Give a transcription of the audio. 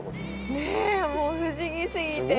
ねえもう不思議すぎて。